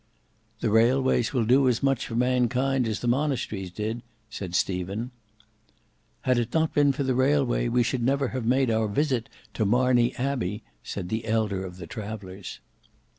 "The railways will do as much for mankind as the monasteries did," said Stephen. "Had it not been for the railway, we should never have made our visit to Marney Abbey," said the elder of the travellers.